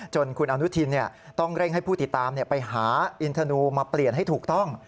คุณอนุทินต้องเร่งให้ผู้ติดตามไปหาอินทนูมาเปลี่ยนให้ถูกต้อง